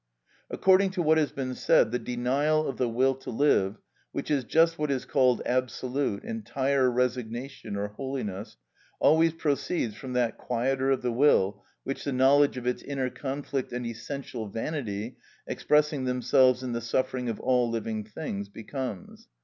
According to what has been said, the denial of the will to live, which is just what is called absolute, entire resignation, or holiness, always proceeds from that quieter of the will which the knowledge of its inner conflict and essential vanity, expressing themselves in the suffering of all living things, becomes.